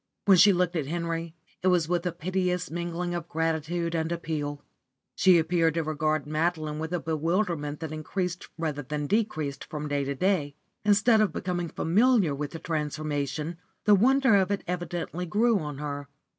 When she looked at Henry, it was with a piteous mingling of gratitude and appeal. She appeared to regard Madeline with a bewilderment that increased rather than decreased from day to day. Instead of becoming familiar with the transformation, the wonder of it evidently grew on her.